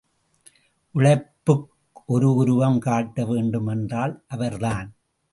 உழைப்புக் ஒரு உருவம் காட்ட வேண்டுமென்றால் அவர்தான்.